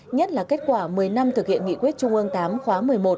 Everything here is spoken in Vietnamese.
nhất là kết quả một mươi năm thực hiện nghị quyết trung ương tám khóa một mươi một